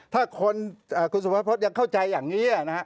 ถ้าคนคุณสุภพฤษยังเข้าใจอย่างนี้